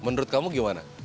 menurut kamu gimana